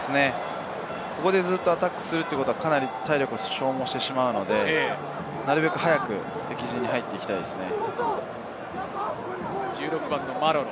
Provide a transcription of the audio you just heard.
ここでずっとアタックするというのは、かなり体力を消耗してしまうので、なるべく早く敵陣に入っていきたいですね。